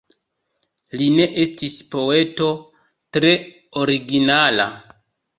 Li ne estis poeto tre originala.